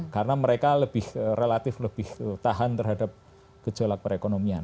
karena mereka lebih relatif lebih tahan terhadap gejolak perekonomian